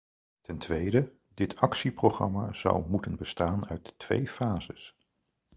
Ten tweede, dit actieprogramma zou moeten bestaan uit twee fases.